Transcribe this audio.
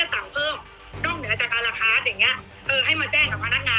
นอกเหนือจากอาราคาตอย่างเงี้ยเออให้มาแจ้งกับพนักงาน